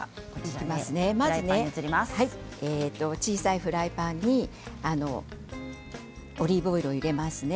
小さいフライパンにオリーブオイルを入れますね。